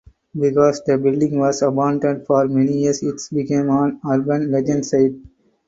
Because the building was abandoned for many years it became an Urban legend site.